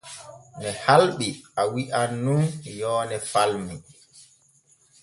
Ne halɓi a wi’an nun yoone falmi.